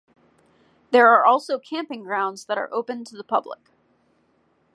There are also camping grounds that are open to the public.